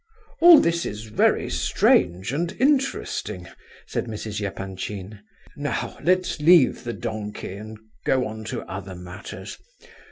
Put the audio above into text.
"All this is very strange and interesting," said Mrs. Epanchin. "Now let's leave the donkey and go on to other matters.